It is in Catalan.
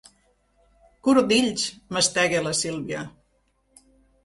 Cordills! —mastega la Sílvia.